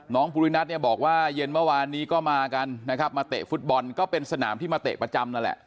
ภูรินัทเนี่ยบอกว่าเย็นเมื่อวานนี้ก็มากันนะครับมาเตะฟุตบอลก็เป็นสนามที่มาเตะประจำนั่นแหละ